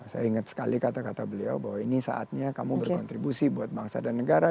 saya ingat sekali kata kata beliau bahwa ini saatnya kamu berkontribusi buat bangsa dan negara